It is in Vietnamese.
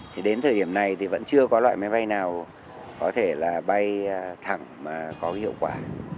thì đến thời điểm này thì vẫn chưa có loại máy bay nào có thể là bay thẳng có hiệu quả